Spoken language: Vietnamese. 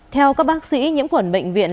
theo các bác sĩ nhiễm khuẩn bệnh viện